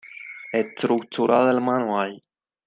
Estructura del Manual